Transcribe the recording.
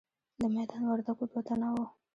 د میدان وردګو دوه تنه وو.